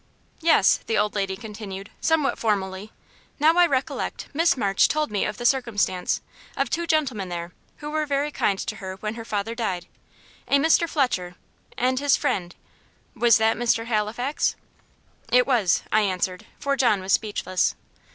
"Yes," the old lady continued, somewhat formally. "Now I recollect, Miss March told me of the circumstance; of two gentlemen there, who were very kind to her when her father died; a Mr. Fletcher and his friend was that Mr. Halifax?" "It was," I answered: for John was speechless.